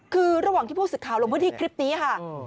คือระหว่างที่ผู้สื่อข่าวลงพื้นที่คลิปนี้ค่ะ